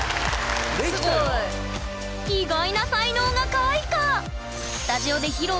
意外な才能が開花！